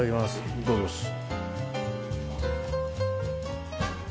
いただきます。